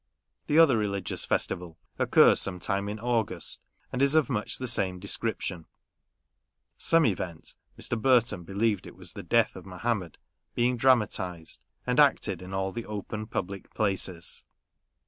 The other religious festival occurs some time in August, and is of much the same de scription ; some event (Mr. Burton believed it was the death of Mohammed) being drama tised, and acted in all the open public places.